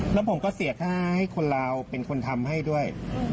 แล้วผมก็เสียค่าให้คนลาวเป็นคนทำให้ด้วย